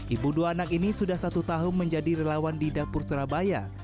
ibu dua anak ini sudah satu tahun menjadi relawan di dapur surabaya